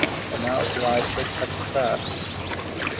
Hanaud lighted a cigar.